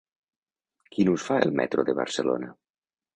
Quin ús fa el metro de Barcelona?